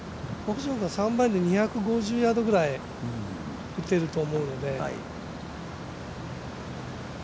３番アイアンで２５０ヤードぐらい打てると思うので。